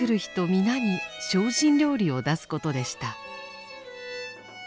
皆に精進料理を出すことでした。